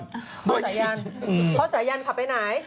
พ่อสายันพ่อสายันขับไปไหน